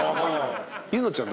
柚乃ちゃん